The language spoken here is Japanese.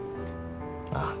ああ。